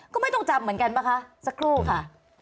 ก็ไม่ต้องจำเหมือนกันป่ะคะสักครู่ค่ะ